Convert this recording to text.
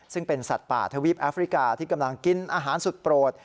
ซึ่งเป็นสัตว์ป่าทวีปแอฟริกาที่กำลังกินอาหารสุดโปรด